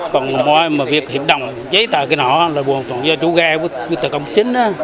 còn ngoài việc hiệp đồng giấy tài cái nọ là buồn tổng do chú gai với tài công chính